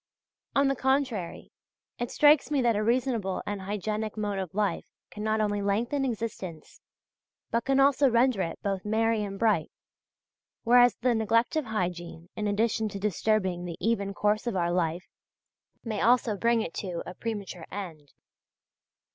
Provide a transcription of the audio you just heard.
On the contrary, it strikes me that a reasonable and hygienic mode of life can not only lengthen existence but can also render it both merry and bright, whereas the neglect of hygiene in addition to disturbing the even course of our life may also bring it to a premature end.